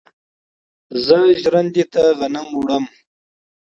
زه ژرندې ته غنم وړم.